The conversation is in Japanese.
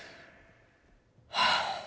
はあ。